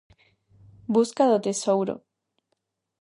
Busca do tesouro.